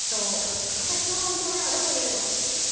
私の本当の親はどこにいるの？